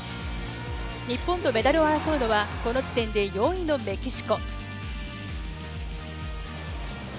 日本とメダルを争うのは、この時点で４位のメキシコ。